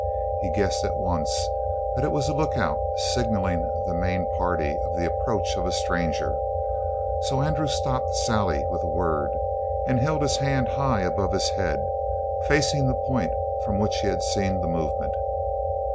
He guessed at once that it was a lookout signaling the main party of the approach of a stranger, so Andrew stopped Sally with a word and held his hand high above his head, facing the point from which he had seen the movement.